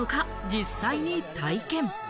実際に体験。